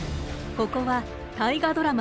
ここは大河ドラマ